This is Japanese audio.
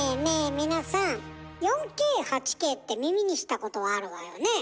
皆さん４Ｋ８Ｋって耳にしたことはあるわよね。